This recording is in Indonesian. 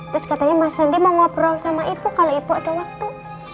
terus katanya mas sandi mau ngobrol sama ibu kalau ibu ada waktu